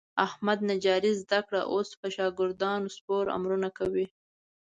احمد نجاري زده کړه. اوس په شاګردانو سپور امرونه کوي.